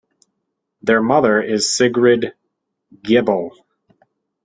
Their mother is Sigrid Gebel.